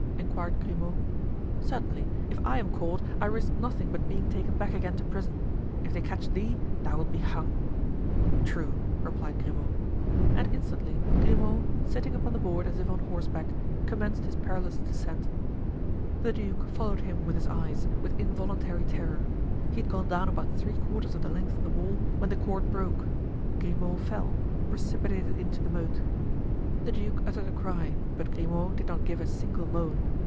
inquired Grimaud. "Certainly. If I am caught, I risk nothing but being taken back again to prison. If they catch thee, thou wilt be hung." "True," replied Grimaud. And instantly, Grimaud, sitting upon the board as if on horseback, commenced his perilous descent. The duke followed him with his eyes, with involuntary terror. He had gone down about three quarters of the length of the wall when the cord broke. Grimaud fell—precipitated into the moat. The duke uttered a cry, but Grimaud did not give a single moan.